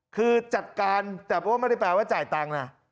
คือจัดการแต่ว่าไม่ได้แปลว่าจ่ายตังค์นะ